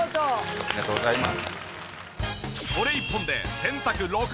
ありがとうございます。